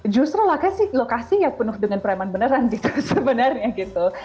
justru lokasi yang penuh dengan pereman peneran gitu sebenarnya gitu